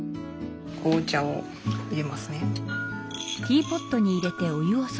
紅茶をいれますね。